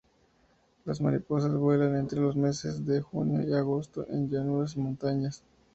Las mariposas vuelan entre los meses de junio y agosto en llanuras y montañas.